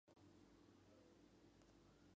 El concepto fue introducido por Ronald A. Howard.